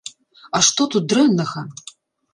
А што тут дрэннага?!